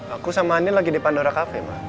aku sama andien lagi di pandora cafe ma